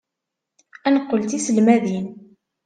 Ad neqqel d tiselmadin.